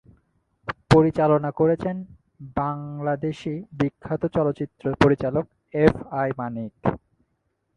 পরিচালনা করেছেন বাংলাদেশি বিখ্যাত চলচ্চিত্র পরিচালক এফ আই মানিক।